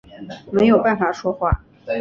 没有办法说话